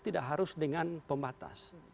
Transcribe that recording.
tidak harus dengan pembatas